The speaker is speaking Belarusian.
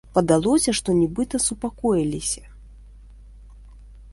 Падалося, што нібыта супакоіліся.